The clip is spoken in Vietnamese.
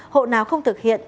hộ nào không thực hiện